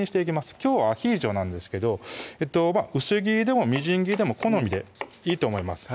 きょうは「アヒージョ」なんですけど薄切りでもみじん切りでも好みでいいと思います